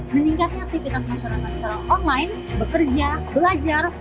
meningkatnya aktivitas masyarakat secara online bekerja belajar